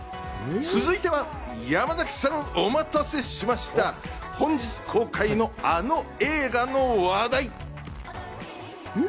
続いては山崎さん、お待たせしました、本日公開のあの映画の話題。